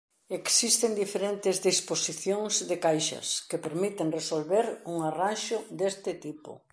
Existen diferentes disposicións de caixas que permiten resolver un arranxo deste tipo.